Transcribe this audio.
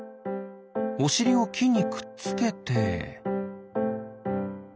おしりをきにくっつけて。